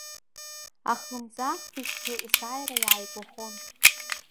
Ахлымӡаах быжьқәа есааира иааигәахон.